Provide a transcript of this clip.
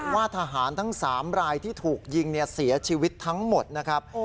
ว่าทหารทั้ง๓รายที่ถูกยิงเสียชีวิตทั้งหมดนะครับ